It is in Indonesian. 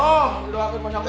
udah akhir panjang umur